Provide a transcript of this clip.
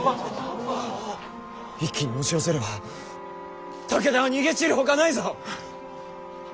一気に押し寄せれば武田は逃げ散るほかないぞ！